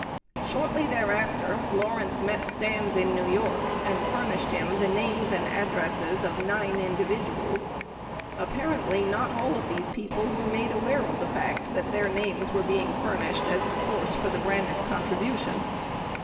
Shortly thereafter, Lawrence met Stans in New York and furnished him the names and addresses of nine individuals. Apparently not all of these people were made aware of the fact that their names were being furnished as a source for the Braniff contribution.